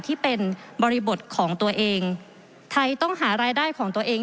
ที่เป็นบริบทของตัวเองไทยต้องหารายได้ของตัวเอง